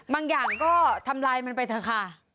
บางอย่างก็ทำลายมันไปเถอะค่ะ